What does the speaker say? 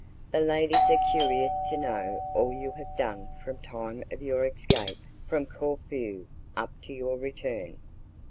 "The ladies are curious to know all you have done from the time of your escape from Corfu up to your return."